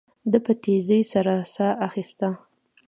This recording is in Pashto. ده په تيزۍ سره ساه اخيسته.